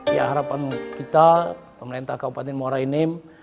ya harapan kita pemerintah kabupaten muara ini